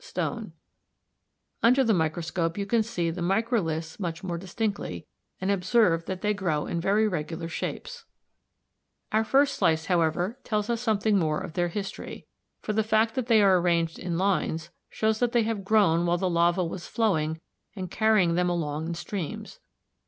Under the next microscope you can see the microliths much more distinctly (Fig. 42) and observe that they grow in very regular shapes. Micros, little; lithos, stone. Our first slice, however (Fig. 41), tells us something more of their history, for the fact that they are arranged in lines shows that they have grown while the lava was flowing and carrying them along in streams.